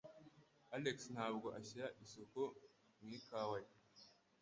Alex ntabwo ashyira isukari mu ikawa ye.